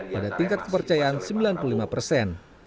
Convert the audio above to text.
pada tingkat kepercayaan sembilan puluh lima persen